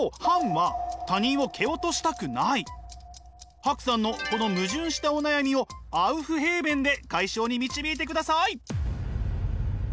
ＨＡＫＵさんのこの矛盾したお悩みをアウフヘーベンで解消に導いてください。